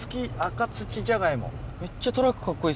めっちゃトラックカッコいい。